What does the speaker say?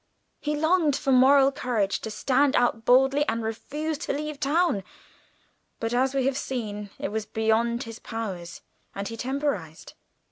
He longed for moral courage to stand out boldly and refuse to leave town, but, as we have seen, it was beyond his powers, and he temporised.